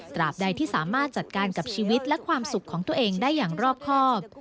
บใดที่สามารถจัดการกับชีวิตและความสุขของตัวเองได้อย่างรอบครอบ